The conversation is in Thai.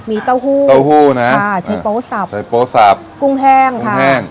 มีเต้าหู้เต้าหู้นะอ่าใช้โป๊สับใช้โป๊สับกุ้งแห้งค่ะแห้ง